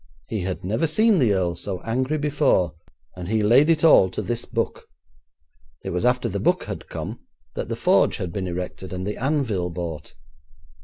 He had never seen the earl so angry before, and he laid it all to this book. It was after the book had come that the forge had been erected and the anvil bought.